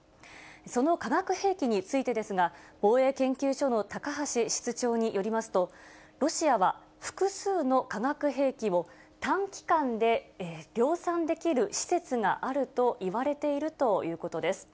その化学兵器についてですが、防衛研究所の高橋室長によりますと、ロシアは複数の化学兵器を短期間で量産できる施設があるといわれているということです。